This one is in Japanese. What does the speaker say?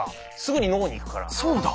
そうだ。